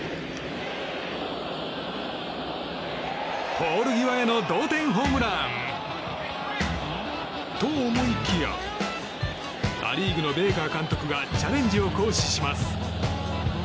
ポール際への同点ホームランと思いきやア・リーグのベイカー監督がチャレンジを行使します。